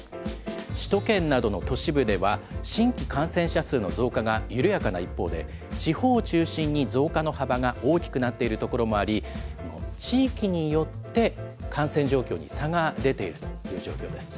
首都圏などの都市部では、新規感染者数の増加が緩やかな一方で、地方を中心に増加の幅が大きくなっている所もあり、地域によって、感染状況に差が出ているという状況です。